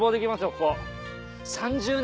ここ。